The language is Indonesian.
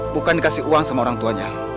bukan dikasih uang sama orang tuanya